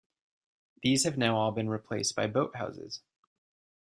These have now all been replaced by boat houses.